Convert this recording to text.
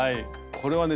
これはね